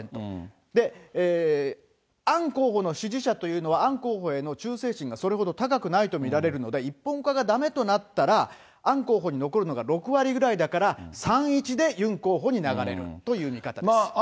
で、アン候補の支持者というのは、アン候補への忠誠心がそれほど高くないと見られるので、一本化がだめとなったら、アン候補に残るのが６割ぐらいだから、３・１でユン候補に流れるという見方です。